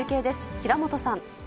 平本さん。